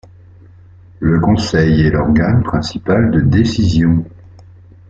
Le Conseil est l'organe principal de décision.